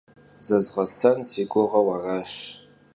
Zızğesen si guğeu araş.